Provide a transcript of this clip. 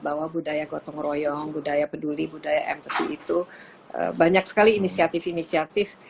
bahwa budaya gotong royong budaya peduli budaya empeti itu banyak sekali inisiatif inisiatif